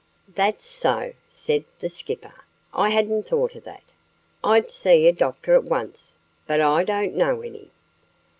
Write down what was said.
"That's so!" said the Skipper. "I hadn't thought of that. I'd see a doctor at once; but I don't know any."